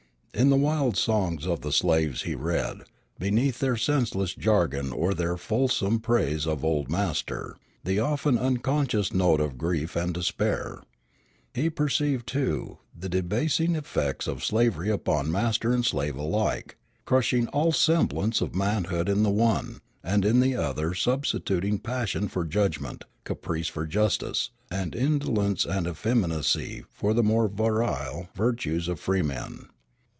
In the wild songs of the slaves he read, beneath their senseless jargon or their fulsome praise of "old master," the often unconscious note of grief and despair. He perceived, too, the debasing effects of slavery upon master and slave alike, crushing all semblance of manhood in the one, and in the other substituting passion for judgment, caprice for justice, and indolence and effeminacy for the more virile virtues of freemen.